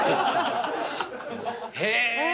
へえ！